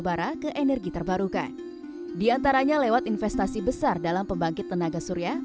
pertamina power indonesia